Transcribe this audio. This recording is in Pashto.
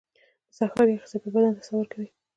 • د سهار یخې څپې بدن ته ساه ورکوي.